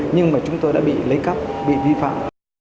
nhưng mà chúng tôi đã bị lấy cắp bị vi phạm